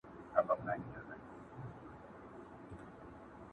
نا امیده له درمل مرګ ته یې پام سو!